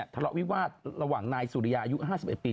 ทะเลาะวิวาสระหว่างนายสุริยาอายุ๕๑ปี